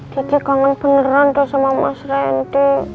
kiki kangen beneran sama mas randy